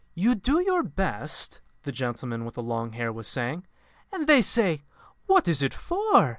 "You do your best," the gentleman with the long hair was saying; "and they say, 'What is it for?'